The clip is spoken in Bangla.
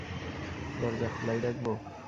দরজা খোলাই রাখবো?